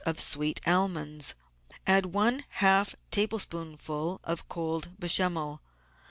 of sweet almonds; add one half table spoonful of cold Bechamel.